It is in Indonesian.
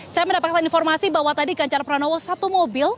saya mendapatkan informasi bahwa tadi ganjar pranowo satu mobil